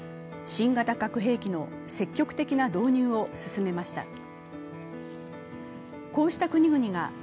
新型核兵器の積極的な導入を進めました。